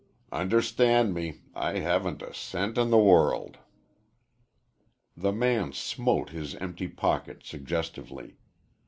Understand me; I haven't a cent in the world." The man smote his empty pocket suggestively.